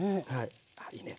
あいいね。